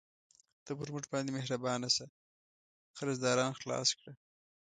ته پر موږ باندې مهربانه شه، قرضداران خلاص کړه.